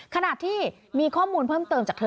ขณะที่มีข้อมูลเพิ่มเติมจากเธอ